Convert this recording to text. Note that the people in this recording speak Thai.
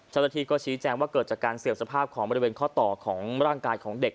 เจ้าหน้าที่ก็ชี้แจงว่าเกิดจากการเสื่อมสภาพของบริเวณข้อต่อของร่างกายของเด็ก